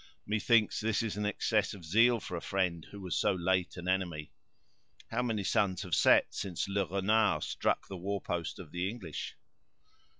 Methinks this is an excess of zeal for a friend who was so late an enemy! How many suns have set since Le Renard struck the war post of the English?"